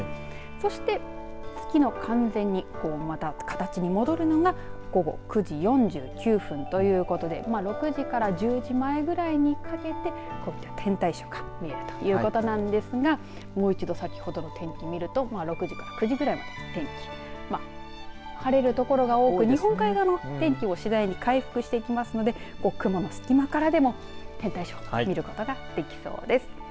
そして、月が完全に元の形に戻るのが午後９時４９分ということでまあ６時から１０時前ぐらいにかけて天体ショーが見られるということですがもう一度先ほどの天気を見ると６時から９時ぐらいまで晴れる所が多く日本海側の天気も次第に回復していきますので雲の隙間からでも天体ショーを見ることができそうです。